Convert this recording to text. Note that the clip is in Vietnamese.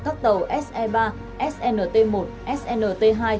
các tàu se ba snt một snt hai